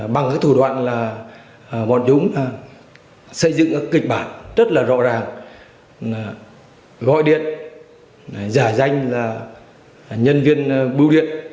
bằng thủ đoạn bọn chúng xây dựng kịch bản rất rõ ràng gọi điện giả danh nhân viên bưu điện